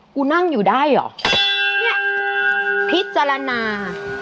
กูนั่งอยู่ได้หรอพิจารณา